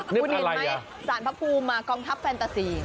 นี่กับอะไร